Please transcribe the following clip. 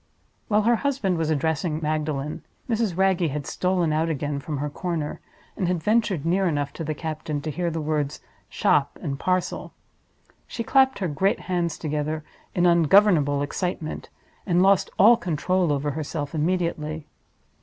While her husband was addressing Magdalen, Mrs. Wragge had stolen out again from her corner, and had ventured near enough to the captain to hear the words "shop" and "parcel." She clapped her great hands together in ungovernable excitement, and lost all control over herself immediately.